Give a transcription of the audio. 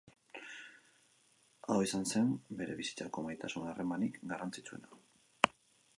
Hau izan zen bere bizitzako maitasun-harremanik garrantzitsuena.